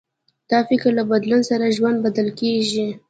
د فکر له بدلون سره ژوند بدل کېږي.